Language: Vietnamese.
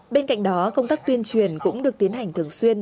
bên cạnh đó công tác tuyên truyền cũng được tiến hành thường xuyên